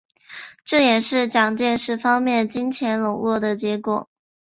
这也是蒋介石方面金钱拢络的效果。